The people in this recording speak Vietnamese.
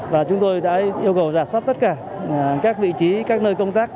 và chúng tôi đã yêu cầu rà soát tất cả các vị trí các nơi công tác